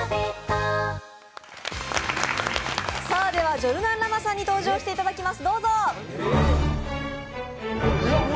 では、ジョルナン・ラマさんに登場していただきます。